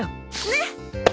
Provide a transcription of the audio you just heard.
ねっ。